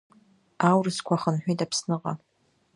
Аурысқуа хынҳәит Аԥсныҟа.